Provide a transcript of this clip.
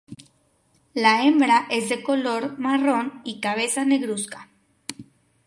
La hembra es de color marrón y cabeza negruzca.